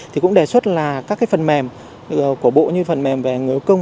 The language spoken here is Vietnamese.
thì cũng đề xuất là các cái phần mềm của bộ như phần mềm về người công